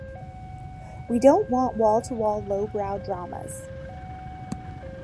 We don't want wall-to-wall lowbrow dramas!